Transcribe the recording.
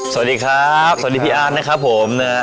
สวัสดีครับสวัสดีพี่อาร์ตนะครับผมนะฮะ